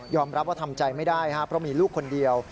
รับว่าทำใจไม่ได้ครับเพราะมีลูกคนเดียว